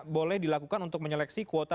boleh dilakukan untuk menyeleksi kuota